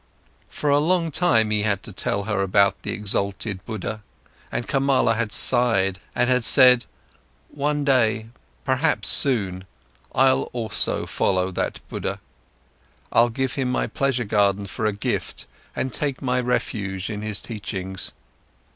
For a long time, he had to tell her about the exalted Buddha, and Kamala had sighed and had said: "One day, perhaps soon, I'll also follow that Buddha. I'll give him my pleasure garden for a gift and take my refuge in his teachings."